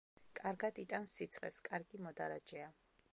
კარგად იტანს სიცხეს, კარგი მოდარაჯეა.